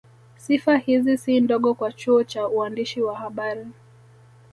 Sifa hizi si ndogo kwa chuo cha uandishi wa habari